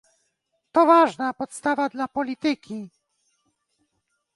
To ważna podstawa dla polityki